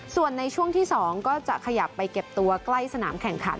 ส่วนในช่วงที่๒ก็จะขยับไปเก็บตัวใกล้สนามแข่งขัน